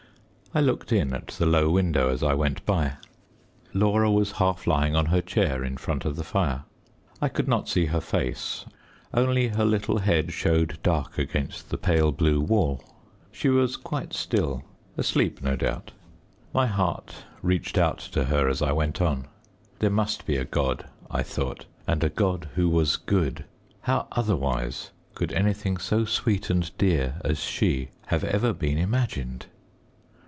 I looked in at the low window as I went by. Laura was half lying on her chair in front of the fire. I could not see her face, only her little head showed dark against the pale blue wall. She was quite still. Asleep, no doubt. My heart reached out to her, as I went on. There must be a God, I thought, and a God who was good. How otherwise could anything so sweet and dear as she have ever been imagined?